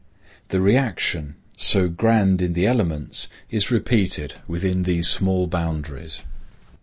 The reaction, so grand in the elements, is repeated within these small boundaries.